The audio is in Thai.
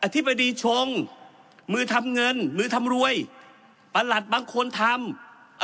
ธิบดีชงมือทำเงินมือทำรวยประหลัดบางคนทำ